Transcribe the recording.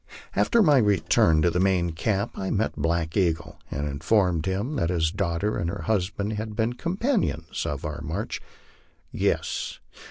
After my return to the main camp I met Black Eagle, and informed him that his daughter and her husband had been companions of our march. "Yes.